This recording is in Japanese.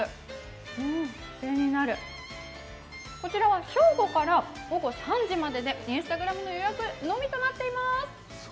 こちらは正午から午後３時まででＩｎｓｔａｇｒａｍ予約のみとなっています。